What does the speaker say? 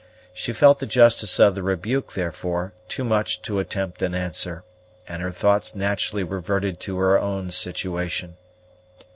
She felt the justice of the rebuke, therefore, too much to attempt an answer, and her thoughts naturally reverted to her own situation.